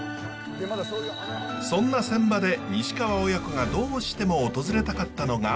そんな船場で西川親子がどうしても訪れたかったのが。